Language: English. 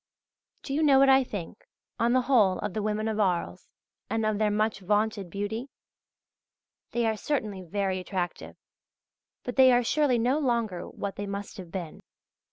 Do you know what I think, on the whole, of the women of Arles, and of their much vaunted beauty? They are certainly very attractive; but they are surely no longer what they must have been.